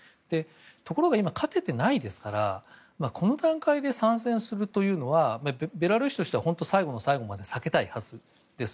ところが今、勝ててないですからこの段階で参戦するというのはベラルーシとしては最後の最後まで避けたいはずです。